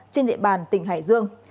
trên địa bàn tỉnh hải dương